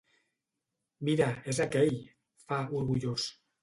Mira, és aquell! —fa, orgullós.